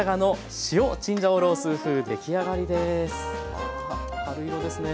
あ春色ですね。